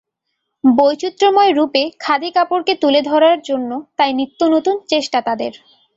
বৈচিত্র্যময় রূপে খাদি কাপড়কে তুলে ধরার জন্য তাই নিত্যনতুন চেষ্টা তাঁদের।